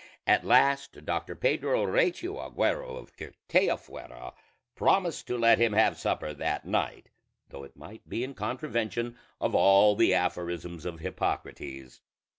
At last Doctor Pedro Recio Aguero of Tirteafuera promised to let him have supper that night, though it might be in contravention of all the aphorisms of Hippocrates.